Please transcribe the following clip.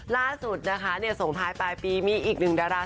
ล่าสุดนะคะส่งท้ายปลายปีมีอีกหนึ่งดารา